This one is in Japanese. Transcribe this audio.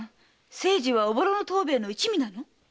清次はおぼろの藤兵衛の一味なの？